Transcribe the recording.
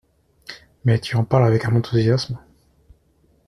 …— Mais tu en parles avec un enthousiasme …